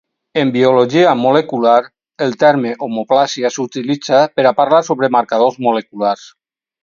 En biologia molecular, el terme homoplàsia s'utilitza per a parlar sobre marcadors moleculars.